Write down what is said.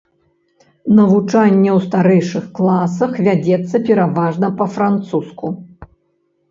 Навучанне ў старэйшых класах вядзецца пераважна па-французску.